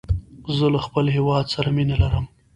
زه له خپل هیواد سره مینه لرم.